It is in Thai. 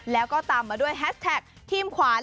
แล้วก็ตามมาด้วยแฮชแท็กทีมขวาน